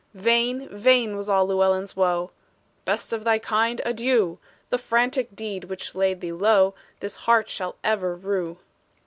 Vain, vain was all Llewellyn's woe; "Best of thy kind, adieu! The frantic deed which laid thee low This heart shall ever rue!"